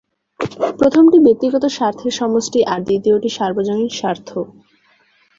প্রথমটি ব্যক্তিগত স্বার্থের সমষ্টি আর দ্বিতীয়টি সার্বজনীন স্বার্থ।